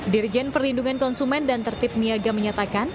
dirjen perlindungan konsumen dan tertib niaga menyatakan